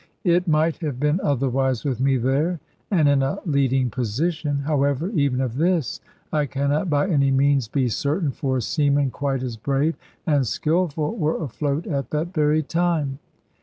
It might have been otherwise with me there, and in a leading position. However, even of this I cannot by any means be certain, for seamen quite as brave and skilful were afloat at that very time.